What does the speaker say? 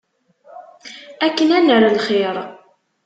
Akken ad nerr lxir.